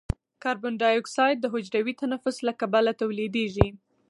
کاربن ډای اکساید د حجروي تنفس له کبله تولیدیږي.